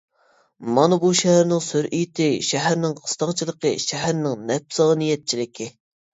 مانا بۇ شەھەرنىڭ سۈرئىتى، شەھەرنىڭ قىستاڭچىلىقى، شەھەرنىڭ نەپسانىيەتچىلىكى.